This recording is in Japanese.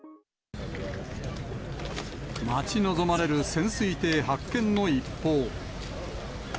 待ち望まれる潜水艇発見の一報。